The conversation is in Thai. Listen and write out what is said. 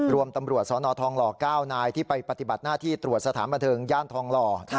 รวมตำรวจสนทองหล่อ๙นายที่ไปปฏิบัติหน้าที่ตรวจสถานบันเทิงย่านทองหล่อ